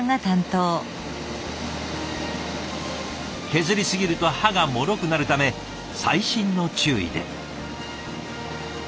削りすぎると刃がもろくなるため細心の注意で。